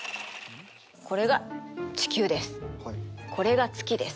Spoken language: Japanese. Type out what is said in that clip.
これが地球です。